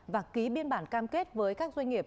và ký biên bản cam kết với các doanh nghiệp